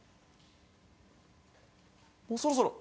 もうそろそろ。